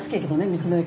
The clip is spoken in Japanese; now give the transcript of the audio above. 道の駅。